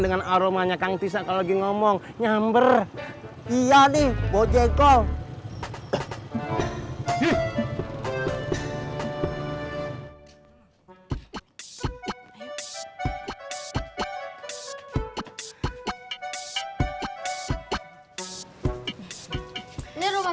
dengan aromanya kang tisa kalau lagi ngomong nyamber iya nih bojeko